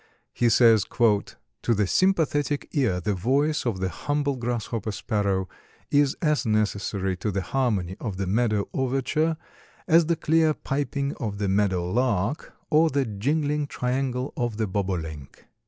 He says, "To the sympathetic ear the voice of the humble Grasshopper Sparrow is as necessary to the harmony of the meadow overture as the clear piping of the meadow lark or the jingling triangle of the bobolink.